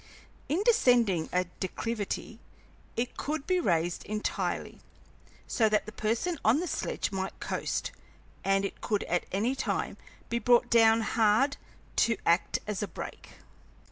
In descending a declivity it could be raised entirely, so that the person on the sledge might coast, and it could at any time be brought down hard to act as a brake.